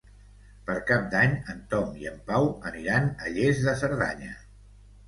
Per Cap d'Any en Tom i en Pau aniran a Lles de Cerdanya.